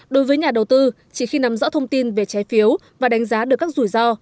đối với nhà đầu tư chỉ khi nắm rõ thông tin về trái phiếu và đánh giá được các rủi ro